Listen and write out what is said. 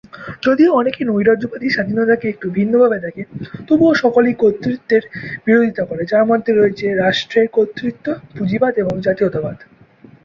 যদিও অনেক নৈরাজ্যবাদী স্বাধীনতাকে একটু ভিন্নভাবে দেখে, তবুও সকলেই কর্তৃত্বের বিরোধিতা করে, যার মধ্যে রয়েছে রাষ্ট্রের কর্তৃত্ব, পুঁজিবাদ এবং জাতীয়তাবাদ।